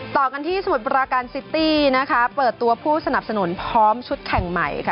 ต่อกันที่สมุทรปราการซิตี้นะคะเปิดตัวผู้สนับสนุนพร้อมชุดแข่งใหม่ค่ะ